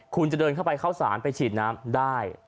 คุณจะเดินเข้าไปเข้าสารไปฉีดน้ำได้